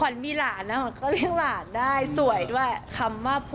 จริงงั้นกล้าทออก